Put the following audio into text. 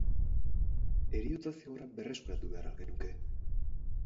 Heriotza zigorra berreskuratu behar al genuke?